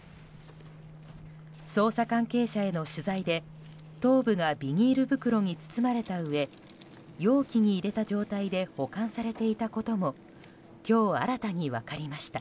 捜査関係者への取材で頭部がビニール袋に包まれたうえ容器に入れた状態で保管されていたことも今日、新たに分かりました。